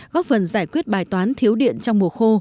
góp phần giải quyết bài toán thiếu điện trong mùa khô